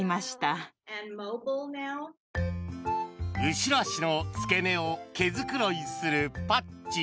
後ろ足の付け根を毛繕いするパッチ。